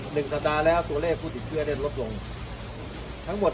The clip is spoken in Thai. หนึ่งสัตว์ตาแล้วตัวเลขผู้ถือเครื่องได้ลดลงทั้งหมด